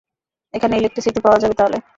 এখানে ইলেক্ট্রিসিটি পাওয়া যাবে তাহলে!